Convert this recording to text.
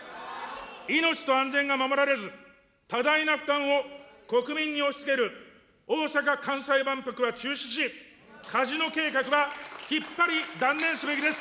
命と安全が守られず、多大な負担を国民に押しつける大阪・関西万博は中止し、カジノ計画はきっぱり断念すべきです。